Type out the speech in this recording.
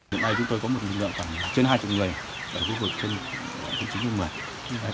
hiện nay chúng tôi có một lực lượng khoảng trên hai chục người ở khu vực chân chín mươi một mươi